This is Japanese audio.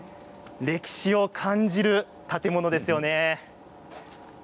歴史を感じる建物ですよね。